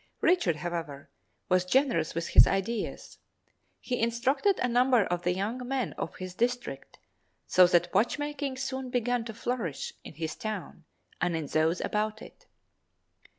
Richard, however, was generous with his ideas; he instructed a number of the young men of his district, so that watchmaking soon began to flourish in his town and in those about it.